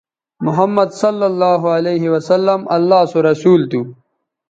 محمدؐ اللہ سو رسول تھو